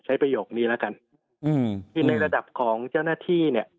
ประโยคนี้แล้วกันอืมคือในระดับของเจ้าหน้าที่เนี่ย